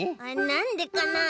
なんでかな？